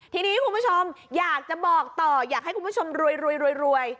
ทีนี้คุณผู้ชมอยากจะบอกต่ออยากให้คุณผู้ชมรวย